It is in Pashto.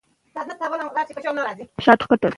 ځوږ، شپږ، خوَږ، خُوږه ، خوږ، خوږ ، غږېدل، غږول، سږ کال